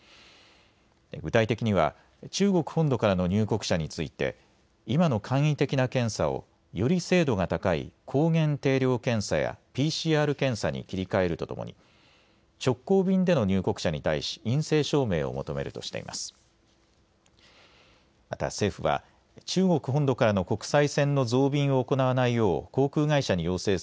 具体的には中国本土からの入国者について今の簡易的な検査をより精度が高い抗原定量検査やＰＣＲ検査に切り替えるとともに直行便での入国者に対し陰性証明を求めるとしています。